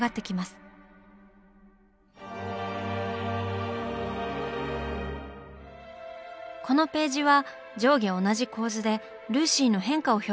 このページは上下同じ構図でルーシーの変化を表現します。